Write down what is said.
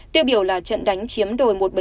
tiêu biểu là trận đánh chiếm đồi một trăm bảy mươi